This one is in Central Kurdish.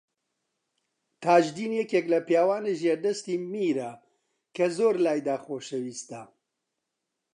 تاجدین یەکێک لە پیاوانی ژێردەستی میرە کە زۆر لایدا خۆشەویستە